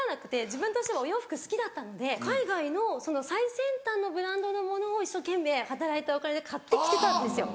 自分としてはお洋服好きだったので海外の最先端のブランドのものを一生懸命働いたお金で買って着てたんですよ。